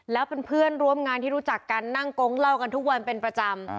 แล้วเป็นเพื่อนร่วมงานที่รู้จักกันนั่งโก๊งเล่ากันทุกวันเป็นประจำ